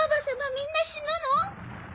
みんな死ぬの？